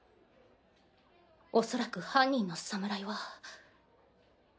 おそらく犯人の侍は。